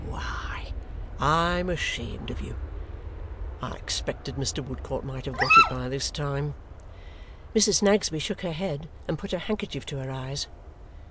Why, I am ashamed of you! (I expected Mr. Woodcourt might have got it by this time.)" Mrs. Snagsby shook her head and put her handkerchief to her eyes.